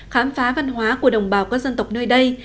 khám phá văn hóa của đồng bào các dân tộc nơi đây